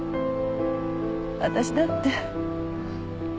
私だって。